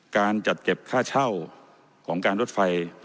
การจัดเก็บค่าเช่าของการรถไฟ